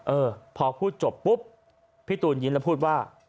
เออพอพูดจบปุ๊บพี่ตูนยิ้มแล้วพูดว่า